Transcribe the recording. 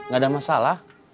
gak ada masalah